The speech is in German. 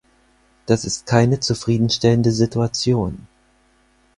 Das ist keine zufrieden stellende Situation.